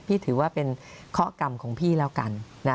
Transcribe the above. ถือว่าเป็นเคาะกรรมของพี่แล้วกันนะ